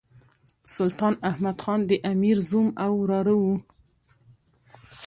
سلطان احمد خان د امیر زوم او وراره وو.